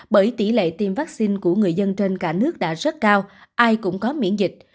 bởi tỷ lệ tiêm vaccine của người dân trên cả nước đã rất cao ai cũng có miễn dịch